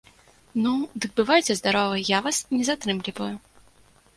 Ну, дык бывайце здаровы, я вас не затрымліваю.